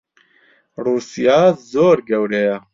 ڕووسیا زۆر گەورەیە.